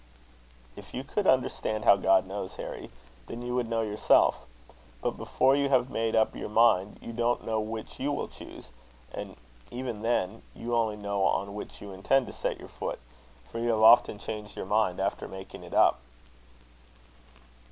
"If you could understand how God knows, Harry, then you would know yourself; but before you have made up your mind, you don't know which you will choose; and even then you only know on which you intend to set your foot; for you have often changed your mind after making it up."